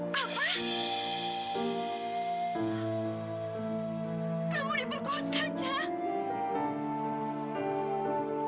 kamu diperkosa cak